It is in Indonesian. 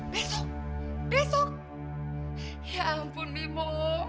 besok besok ya ampun bimo